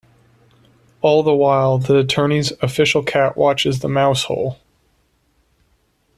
All the while, the attorney's official cat watches the mouse-hole.